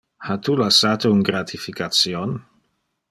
Ha tu lassate un gratification?